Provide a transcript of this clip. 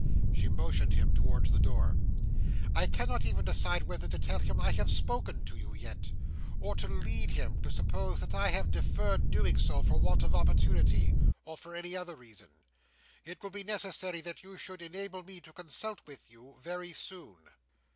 She motioned him towards the door. "I cannot even decide whether to tell him I have spoken to you yet; or to lead him to suppose that I have deferred doing so, for want of opportunity, or for any other reason. It will be necessary that you should enable me to consult with you very soon."